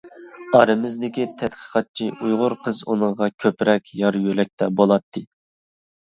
ئارىمىزدىكى تەتقىقاتچى ئۇيغۇر قىز ئۇنىڭغا كۆپرەك يار يۆلەكتە بولاتتى.